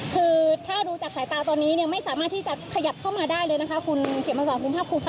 คือถ้าดูจากสายตาตอนนี้เนี่ยไม่สามารถที่จะขยับเข้ามาได้เลยนะคะคุณเขียนมาสอนคุณภาคภูมิค่ะ